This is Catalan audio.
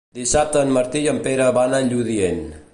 Dissabte en Martí i en Pere van a Lludient.